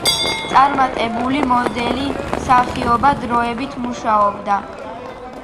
წარმატებული მოდელი მსახიობად დროებით მუშაობდა.